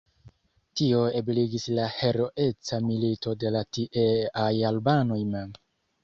Tion ebligis la heroeca milito de la tieaj albanoj mem.